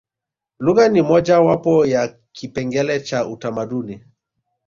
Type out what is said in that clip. lugha ni moja wapo ya kipengele cha utamaduni